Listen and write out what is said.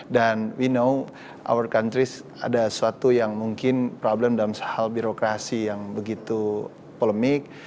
dan kita tahu negara kita ada suatu yang mungkin problem dalam hal birokrasi yang begitu polemik